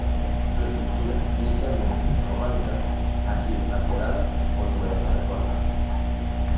Su estructura, inicialmente románica, ha sido alterada por numerosas reformas.